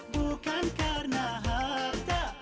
bukan karena harta